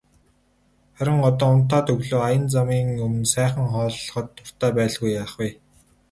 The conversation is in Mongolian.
Харин одоо унтаад өглөө аян замын өмнө сайхан хооллоход дуртай байлгүй яах вэ.